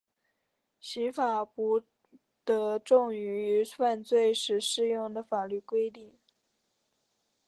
刑罚不得重于犯罪时适用的法律规定。